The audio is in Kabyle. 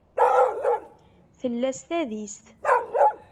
Tella s tadist.